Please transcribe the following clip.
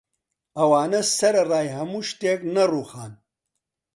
ئەوانە سەرەڕای هەموو شتێک نەڕووخاون